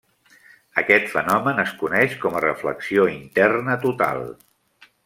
Aquest fenomen es coneix com a reflexió interna total.